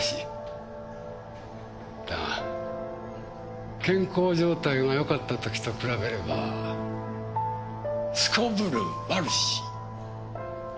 だが健康状態がよかった時と比べればすこぶる悪し！